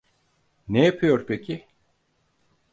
Ne yapıyor peki?